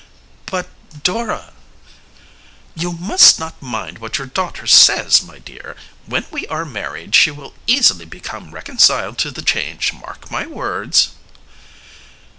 "But Dora ?" "You must not mind what your daughter says, my dear. When we are married she will easily become reconciled to the change, mark my words."